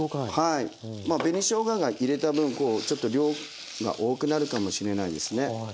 紅しょうがが入れた分ちょっと量が多くなるかもしれないですね。